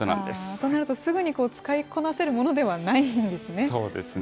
となると、すぐに使いこなせるものではないんですね。